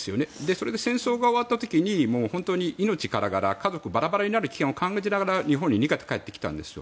それで戦争が終わった時に命からがら家族バラバラになる危険を感じながら日本に逃げて帰ってきたんですよ。